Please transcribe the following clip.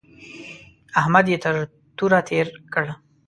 احمد يې تر توره تېر کړ.